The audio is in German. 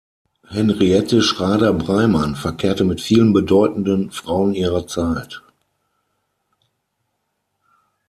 Henriette Schrader-Breymann verkehrte mit vielen bedeutenden Frauen ihrer Zeit.